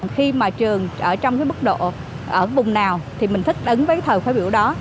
khi mà trường ở trong cái mức độ ở vùng nào thì mình thích ứng với thời phát biểu đó